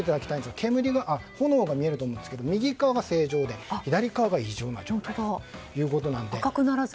炎が見えると思いますが右側が正常で左側が異常な状態ということです。